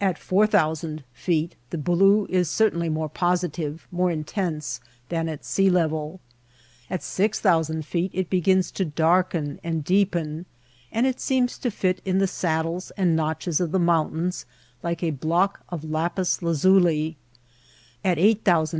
At four thousand feet the blue is certainly more positive, more intense, than at sea level ; at six thousand feet it begins to darken and deepen, and it seems to fit in the saddles and notches of the mountains like a block of lapis lazuli ; at eight thousand feet it Blue as a color.